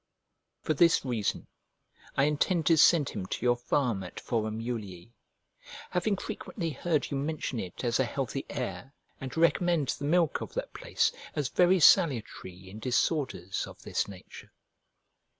For this reason I intend to send him to your farm at Forum Julii, having frequently heard you mention it as a healthy air, and recommend the milk of that place as very salutary in disorders of his nature.